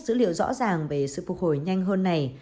dữ liệu rõ ràng về sự phục hồi nhanh hơn này